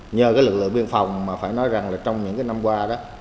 nhờ lực lượng biên phòng mà phải nói rằng trong những năm qua